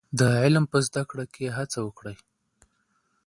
د علم په زده کړه کي هڅه وکړئ.